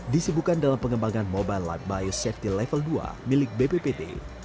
disibukan dalam pengembangan mobile light biosafety level dua milik bppt